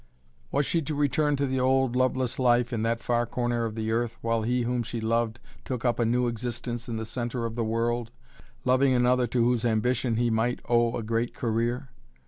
Was she to return to the old, loveless life in that far corner of the earth, while he whom she loved took up a new existence in the centre of the world, loving another to whose ambition he might owe a great career?